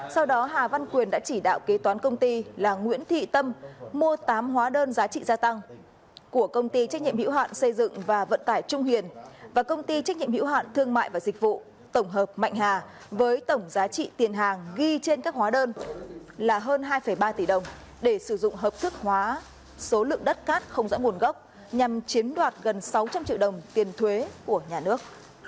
sau đó hà văn quyền đã chỉ đạo kế toán công ty là nguyễn thị tâm mua tám hóa đơn giá trị gia tăng của công ty trách nhiệm hiểu hạn xây dựng và vận tải trung hiền và công ty trách nhiệm hiểu hạn thương mại và dịch vụ tổng hợp mạnh hà với tổng giá trị tiền hàng ghi trên các hóa đơn là hơn hai ba tỷ đồng để sử dụng hợp thức hóa số lượng đất cát không rõ nguồn gốc nhằm chiếm đoạt gần sáu trăm linh triệu đồng tiền thuế của nhà nước